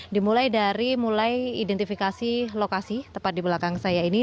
dimulai dari mulai identifikasi lokasi tepat di belakang saya ini